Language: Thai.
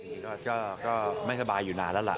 นี่ก็ไม่สบายอยู่นานแล้วล่ะ